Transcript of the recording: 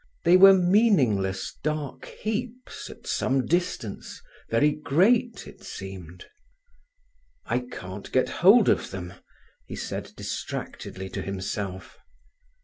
They were meaningless dark heaps at some distance, very great, it seemed. "I can't get hold of them," he said distractedly to himself.